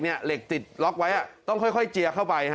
เหล็กติดล็อกไว้ต้องค่อยเจียเข้าไป